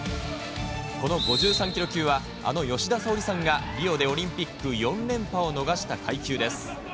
この５３キロ級は、あの吉田沙保里さんがリオでオリンピック４連覇を逃した階級です。